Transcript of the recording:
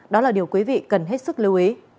đó là điều quý vị cần hết sức lưu ý